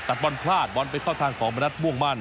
ตัดบอลพลาดบอลเป็นข้อทางของมนัดม่วงมั่น